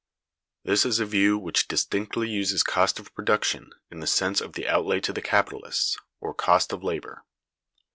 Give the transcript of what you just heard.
This is a view which distinctly uses cost of production in the sense of the outlay to the capitalist, or cost of labor.